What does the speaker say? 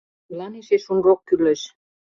Кӧлан эше шунрок кӱлеш?..